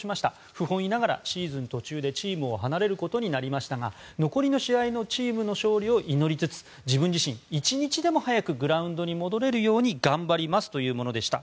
不本意ながらシーズン途中でチームを離れることになりましたが残りの試合のチームの勝利を祈りつつ自分自身、一日でも早くグラウンドに戻れるように頑張りますというものでした。